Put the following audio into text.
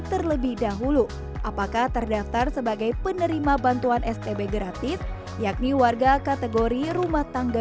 terlebih dahulu apakah terdaftar sebagai penerima bantuan stb gratis yakni warga kategori rumah tangga